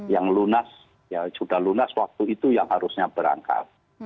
yang lunas ya sudah lunas waktu itu yang harusnya berangkat